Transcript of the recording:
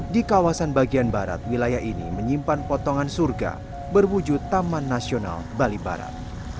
di kawasan bagian barat wilayah ini menyimpan potongan surga berwujud taman nasional bali barat